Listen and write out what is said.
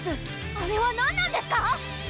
あれは何なんですか？